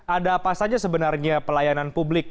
ada apa saja sebenarnya pelayanan publik